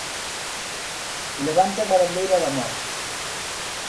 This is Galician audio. Levanten a bandeira do amor.